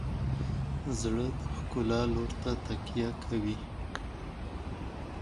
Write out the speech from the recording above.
زړه د ښکلا لور ته تکیه کوي.